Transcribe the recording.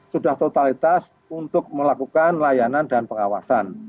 sudah totalitas untuk melakukan layanan dan pengawasan